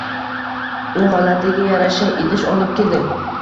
U holatiga yarasha idish olib keldi.